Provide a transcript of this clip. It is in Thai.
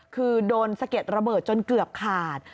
คือโดนสะเก็ดระเบิดจนเกือบขาด